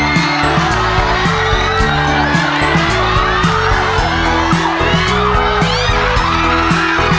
เร็วเร็วเร็ว